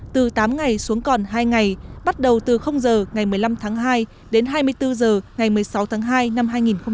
từ tám ngày xuống còn hai ngày bắt đầu từ giờ ngày một mươi năm tháng hai đến hai mươi bốn h ngày một mươi sáu tháng hai năm hai nghìn hai mươi